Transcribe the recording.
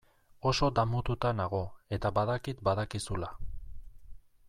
Oso damututa nago eta badakit badakizula.